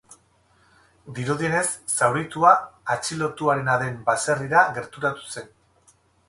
Dirudienez, zauritua atxilotuarena den baserrira gerturatu zen.